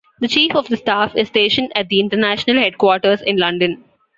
The Chief of the Staff is stationed at International Headquarters in London.